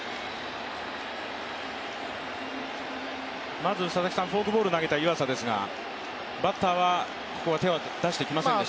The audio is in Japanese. まずフォークボールを投げた湯浅でしたが、バッターは手を出してきませんでした。